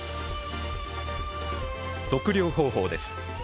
測量方法です。